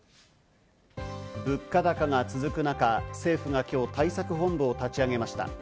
物価高が続く中、政府が今日、対策本部を立ち上げました。